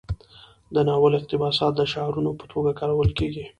د ناول اقتباسات د شعارونو په توګه کارول کیږي.